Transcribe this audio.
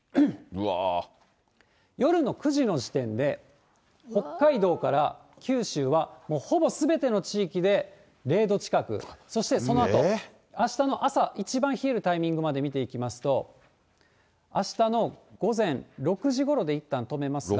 夜の９時の時点で、北海道から九州は、もうほぼすべての地域で０度近く、そしてそのあと、あしたの朝、一番冷えるタイミングまで見ていきますと、あしたの午前６時ごろでいったん止めますが。